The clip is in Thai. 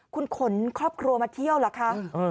คุณขนครอบครัวมาเที่ยวเหรอคะ